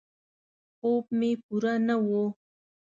خوب مې پوره نه و.